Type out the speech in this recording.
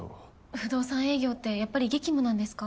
不動産営業ってやっぱり激務なんですか？